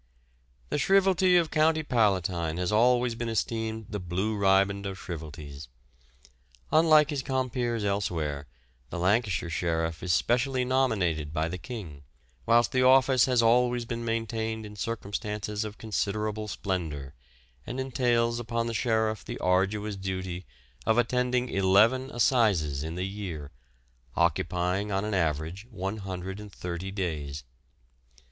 The shrievalty of the County Palatine has always been esteemed the blue riband of shrievalties. Unlike his compeers elsewhere, the Lancashire sheriff is specially nominated by the King, whilst the office has always been maintained in circumstances of considerable splendour, and entails upon the sheriff the arduous duty of attending eleven assizes in the year, occupying on an average 130 days.